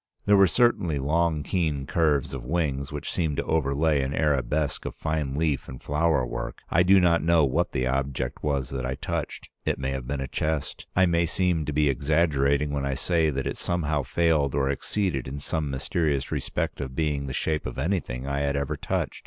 There were certainly long keen curves of wings which seemed to overlay an arabesque of fine leaf and flower work. I do not know what the object was that I touched. It may have been a chest. I may seem to be exaggerating when I say that it somehow failed or exceeded in some mysterious respect of being the shape of anything I had ever touched.